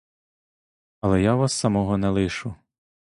Але я вас самого не лишу.